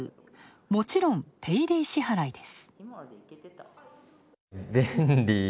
もちろんペイディ支払いです。